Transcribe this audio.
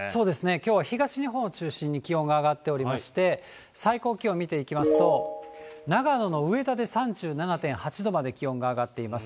きょうは東日本を中心に気温が上がっておりまして、最高気温見ていきますと、長野の上田で３７．８度まで気温が上がっています。